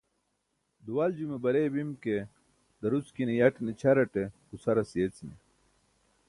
duwaljume barey bim ke daruckinan yaṭne ćʰar aṭe gucʰaras yeecimi